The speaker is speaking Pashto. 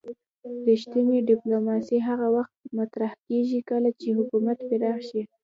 رښتینې ډیپلوماسي هغه وخت مطرح کیږي کله چې حکومت پراخ شي